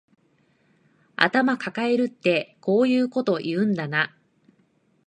頭かかえるってこういうこと言うんだな